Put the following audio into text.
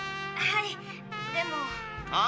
はいでも。